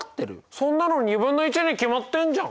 そんなのに決まってんじゃん。